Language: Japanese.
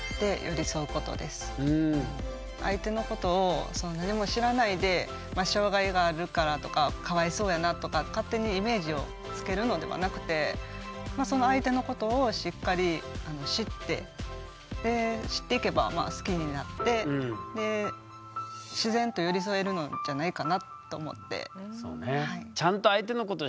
相手のことを何も知らないで障害があるからとかかわいそうやなとか勝手にイメージをつけるのではなくてその相手のことをしっかり知ってで知っていけば好きになって自然と寄り添えるのじゃないかなと思って。